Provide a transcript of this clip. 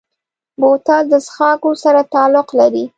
بوتل د څښاکو سره تعلق لري.